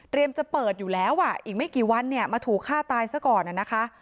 จะเปิดอยู่แล้วอ่ะอีกไม่กี่วันเนี่ยมาถูกฆ่าตายซะก่อนนะคะ